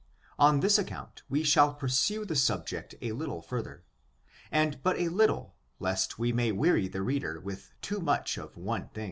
On this account, we shall pursue the subject a little further, and but a little, lest we may weary the reader with too much of one thing.